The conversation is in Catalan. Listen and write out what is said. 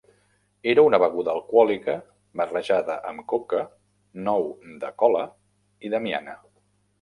Era una beguda alcohòlica barrejada amb coca, nou de cola i damiana.